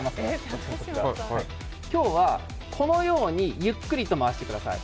今日はこのようにゆっくりと回してください。